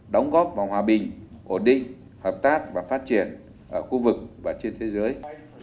đóng góp vào hòa bình ổn định hợp tác và phát triển ở khu vực và trên thế giới